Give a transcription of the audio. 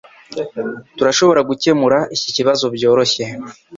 Turashobora gukemura iki kibazo byoroshye.